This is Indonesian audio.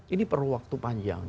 ini perlu waktu panjang